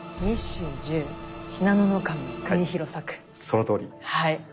そのとおり。